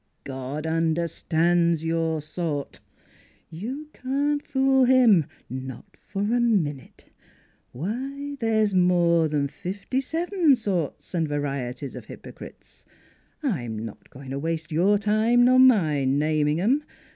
God understands your sort. You can't fool him, not for a minute. ... Why, there's more 'n fifty seven sorts and varieties of hypocrites; I'm not going to waste your time nor mine naming 'em.